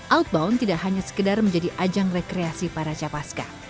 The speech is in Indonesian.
outbound tidak hanya sekedar menjadi ajang rekreasi para capaska